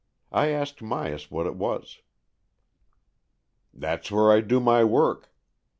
I asked Myas what it was. " That's where I do my work.